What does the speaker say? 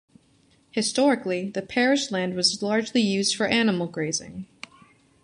Historically, the parish land was largely used for animal grazing.